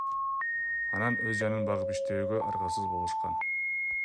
Анан өз жанын багып иштөөгө аргасыз болушкан.